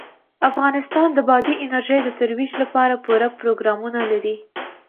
افغانستان د بادي انرژي د ترویج لپاره پوره پروګرامونه لري.